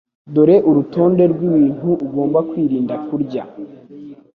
Dore urutonde rwibintu ugomba kwirinda kurya.